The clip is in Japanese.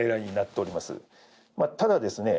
ただですね